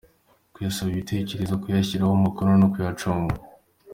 kuyasabaho ibitekerezo, kuyashyiraho umukono no kuyacunga ;